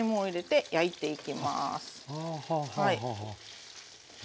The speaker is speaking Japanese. はい。